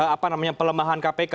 apa namanya pelemahan kpk